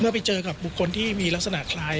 ไปเจอกับบุคคลที่มีลักษณะคล้าย